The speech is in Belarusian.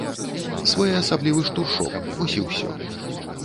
Своеасаблівы штуршок, вось і ўсё.